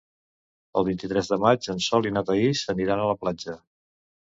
El vint-i-tres de maig en Sol i na Thaís aniran a la platja.